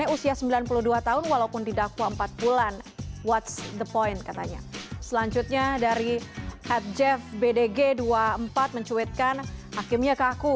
oke kalau begitu